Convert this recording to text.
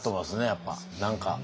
やっぱ何か。